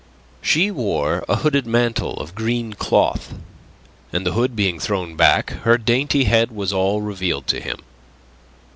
She wore a hooded mantle of green cloth, and the hood being thrown back, her dainty head was all revealed to him.